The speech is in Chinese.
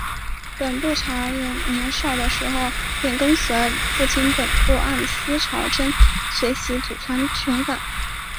本部朝勇年少的时候便跟随父亲本部按司朝真学习祖传的拳法。